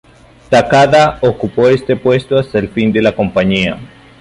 Takada ocupó este puesto hasta el fin de la compañía.